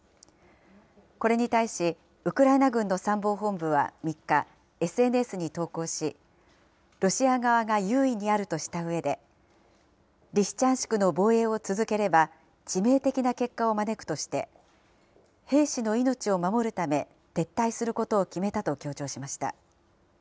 これに対し、ウクライナ軍の参謀本部は３日、ＳＮＳに投稿し、ロシア側が優位にあるとしたうえで、リシチャンシクの防衛を続ければ、致命的な結果を招くとして、兵士の命を守るため、撤退することを決めたと強調しました。